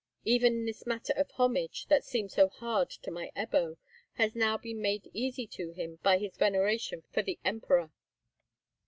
Even this matter of homage, that seemed so hard to my Ebbo, has now been made easy to him by his veneration for the Emperor."